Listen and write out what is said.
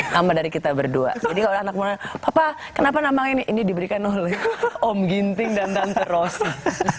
nama dari kita berdua jadi kalau anak muda papa kenapa namanya ini diberikan oleh om ginting dan tante rossi